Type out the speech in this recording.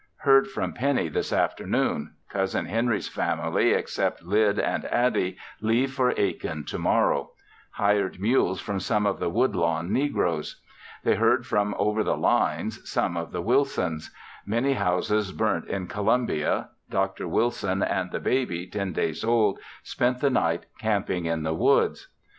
Heard from Pennie this afternoon. Cousin Henry's family, except Lyd and Attie, leave for Aiken tomorrow; hired mules from some of the Woodlawn negroes. They heard from over the lines, some of the Wilsons; many houses burnt in Columbia, Dr. Wilson and the baby, ten days old, spent the night camping in the woods.